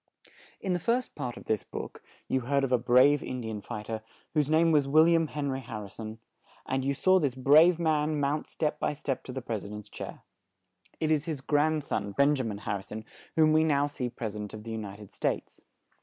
In the first part of this book, you heard of a brave In di an fight er, whose name was Wil liam Hen ry Har ri son; and you saw this brave man mount step by step to the pres i dent's chair. It is his grand son, Ben ja min Har ri son, whom we now see pres i dent of the U ni ted States.